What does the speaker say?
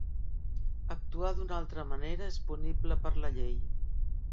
Actuar d'una altra manera és punible per la llei.